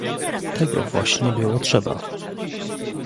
"tego właśnie było trzeba."